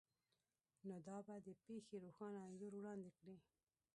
نو دا به د پیښې روښانه انځور وړاندې کړي